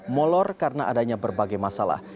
molor karena adanya berbagai masalah